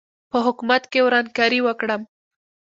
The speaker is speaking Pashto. په حکومت کې ورانکاري وکړم.